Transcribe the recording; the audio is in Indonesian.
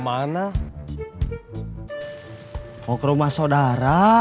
mau sih tapi lagi males keluar